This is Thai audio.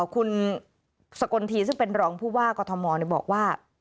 คุณสกนทีซึ่งเป็นรองพูว่ากฏมเนี่ยบอกว่า